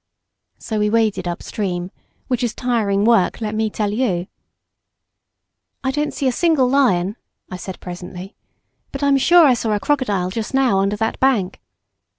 So we waded up stream, which is tiring work, let me tell you. "I don't see a single lion," I said presently, "but I'm sure I saw a crocodile just now under that bank."